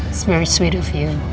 itu sangat manis dari kamu